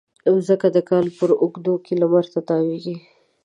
مځکه د کال په اوږدو کې لمر ته تاوېږي.